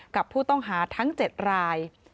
กับผู้ต้องหาทั้ง๗ราย